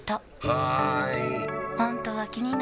はーい！